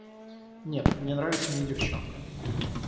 Нет, мне нравится не девчонка.